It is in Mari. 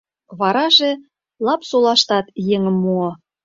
Вараже Лапсолаштат еҥым муо.